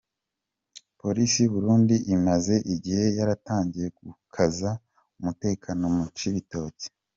Polisi y’u Burundi imaze igihe yaratangiye gukaza umutekano mu Cibitoki.